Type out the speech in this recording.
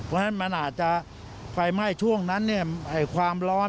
เรือไฟไม่ช่วงนั้นความร้อน